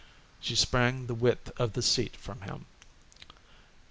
She sprang the width of the seat from him.